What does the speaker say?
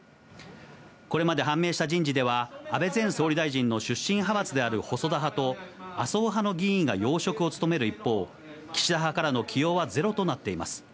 これまで判明した人事では、安倍前総理大臣の出身派閥である細田派と、麻生派の議員が要職を務める一方、岸田派からの起用はゼロとなっています。